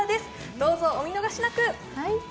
どうぞお見逃しなく。